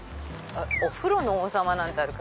「おふろの王様」なんてある。